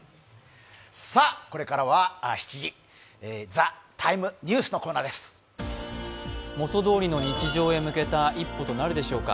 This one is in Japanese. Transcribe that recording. これからは７時「ＴＨＥＴＩＭＥ，ニュース」のお時間です元どおりの日常へ向けた一歩となるでしょうか。